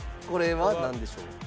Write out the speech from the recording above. これはなんでしょう？